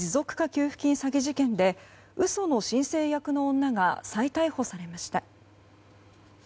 給付金詐欺事件で嘘の申請役の女が再逮捕されました。